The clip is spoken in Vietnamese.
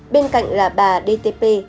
bên cạnh là bà dtp